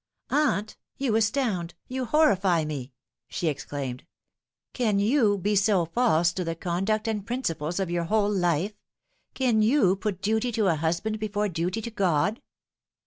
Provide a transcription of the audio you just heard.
" Aunt, you astound, you horrify me !" she exclaimed. " Can you be so false to the conduct and principles of your whole life can you put duty to a husband before duty to G od